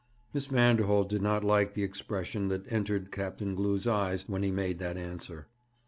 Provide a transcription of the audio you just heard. Miss Vanderholt did not like the expression that entered Captain Glew's eyes when he made that answer.